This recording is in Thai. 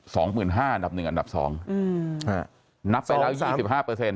สองหมื่นห้าอันดับหนึ่งอันดับสองอืมฮะนับไปแล้วยี่สิบห้าเปอร์เซ็น